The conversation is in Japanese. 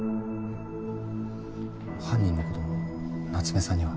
犯人のこと夏目さんには？